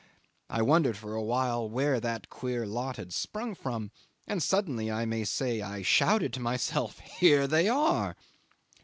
I wondered for a while where that queer lot had sprung from, and suddenly, I may say, I shouted to myself, "Here they are!"